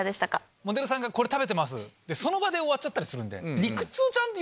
モデルさんが「これ食べてます」その場で終わったりするんで。